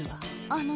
あの！